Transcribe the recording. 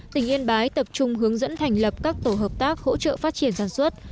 tỉnh yên bái tập trung hướng dẫn thành lập các tổ hợp tác hỗ trợ phát triển sản xuất